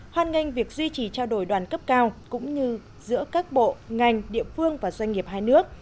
hoan nghênh việc duy trì trao đổi đoàn cấp cao cũng như giữa các bộ ngành địa phương và doanh nghiệp hai nước